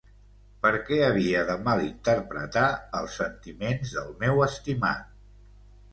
Per què havia de malinterpretar els sentiments del meu estimat?